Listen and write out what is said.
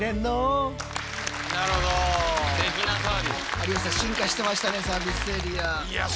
有吉さん進化してましたねサービスエリア。